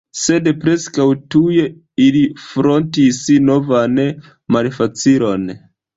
Sed preskaŭ tuj ili frontis novan malfacilon.